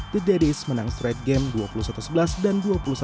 the daddies menang straight game dua ribu sebelas dan dua ribu tujuh belas